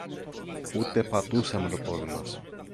Ούτε πατούσαμε το πόδι μας